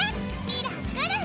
ミラクル！